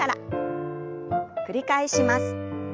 繰り返します。